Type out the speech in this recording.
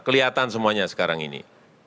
kelihatan semuanya sekarang ini